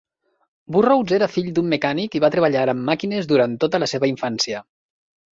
Burroughs era fill d'un mecànic i va treballar amb màquines durant tota la seva infància.